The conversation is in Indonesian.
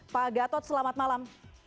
pak gatot selamat malam